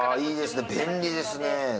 いいですね便利ですね。